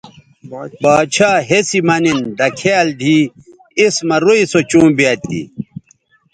باڇھا ہسی مہ نِن دکھیال دی اِس مہ روئ سو چوں بیاد تھی